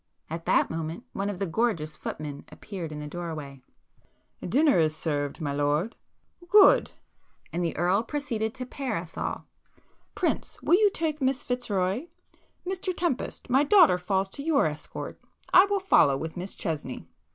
At that moment one of the gorgeous footmen appeared at the doorway. "Dinner is served, my lud." "Good!" and the Earl proceeded to 'pair' us all. "Prince, will you take Miss Fitzroy,—Mr Tempest, my daughter falls to your escort,—I will follow with Miss Chesney."